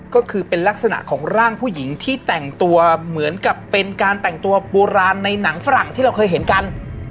ก็คือเป็นลักษณะของร่างผู้หญิงที่แต่งตัวเหมือนกับเป็นการแต่งตัวโบราณในหนังฝรั่งที่เราเคยเห็นกัน